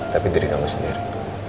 tapi diri kamu sendiri